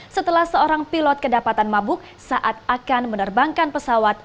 setelah seorang pilot kedapatan mabuk saat akan menerbangkan pesawat